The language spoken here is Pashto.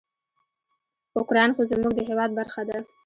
اوکراین خو زموږ د هیواد برخه ده.